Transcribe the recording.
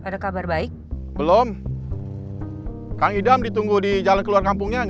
gak ada uang